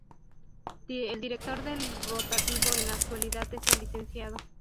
El director del rotativo en la actualidad es el Lic.